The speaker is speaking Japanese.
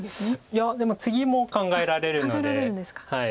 いやでもツギも考えられるので。